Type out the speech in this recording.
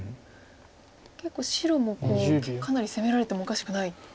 結構白もかなり攻められてもおかしくないですか？